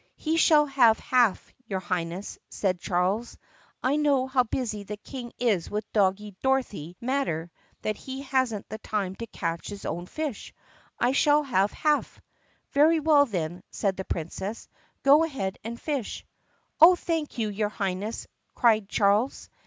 "He shall have half, your Highness," said Charles. "I know how busy the King is with the Doggie Dorothy matter and that he has n't time to catch his own fish. He shall have half!" "Very well, then," said the Princess, "go ahead and fish." "Oh, thank you, your Highness!" cried Charles.